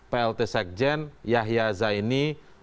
plt sekjen yahya zaini